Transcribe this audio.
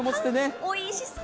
おいしそう。